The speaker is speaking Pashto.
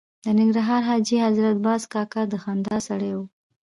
د ننګرهار حاجي حضرت باز کاکا د خندا سړی و.